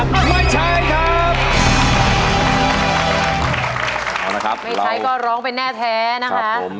ไม่ใช้ก็ร้องไปแน่แท้นะครับ